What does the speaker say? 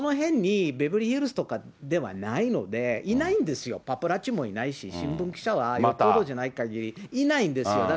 その辺にではないのでいないんですよ、パパラッチもいないし、新聞記者はよっぽどじゃないかぎりいないんですよ。